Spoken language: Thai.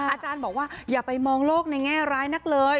อาจารย์บอกว่าอย่าไปมองโลกในแง่ร้ายนักเลย